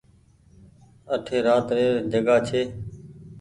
اٺي رات ري ر جگآ ڇي۔